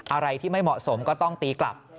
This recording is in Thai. อะไรที่ไม่เหมาะสมก็ต้องตีกลับ